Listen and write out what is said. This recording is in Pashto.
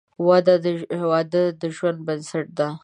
• واده د ژوند بنسټ دی.